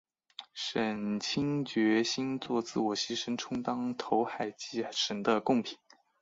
沈清决心作自我牺牲充当投海祭神的供品。